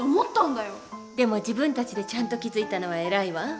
でも自分たちでちゃんと気付いたのは偉いわ。